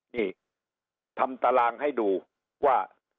นี่ทำตารางให้ดูว่า